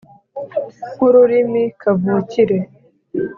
nk’ururimi kavukire,